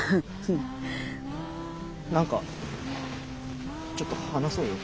何かちょっと話そうよ。